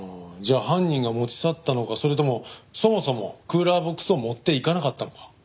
じゃあ犯人が持ち去ったのかそれともそもそもクーラーボックスを持っていかなかったのか。